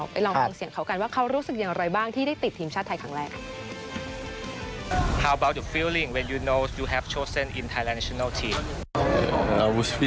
ไปลองฟังเสียงเขากันว่าเขารู้สึกอย่างไรบ้างที่ได้ติดทีมชาติไทยครั้งแรกค่ะ